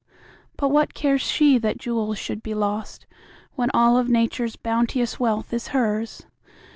But what cares she that jewels should be lost, When all of Nature's bounteous wealth is hers?